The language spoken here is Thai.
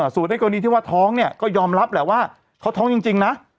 สูตรในกูยีที่ว่าท้องก็ยอมรับแหละว่าเขาท้องจริงนะ